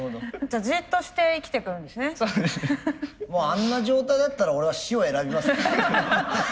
あんな状態だったら俺は死を選びますね。